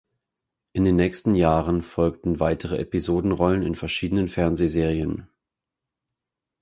In den nächsten Jahren folgten weitere Episodenrollen in verschiedenen Fernsehserien.